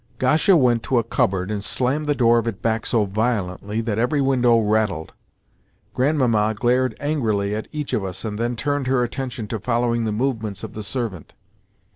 Gasha went to a cupboard and slammed the door of it back so violently that every window rattled. Grandmamma glared angrily at each of us, and then turned her attention to following the movements of the servant.